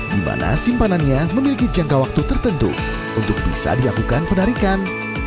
di mana simpanannya memiliki jangka waktu tertentu untuk bisa dilakukan penarikan